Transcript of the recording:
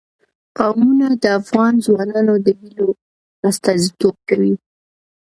قومونه د افغان ځوانانو د هیلو استازیتوب کوي.